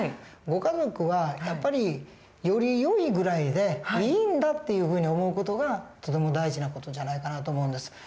ご家族はやっぱりよりよいぐらいでいいんだっていうふうに思う事がとても大事な事じゃないかなと思うんです。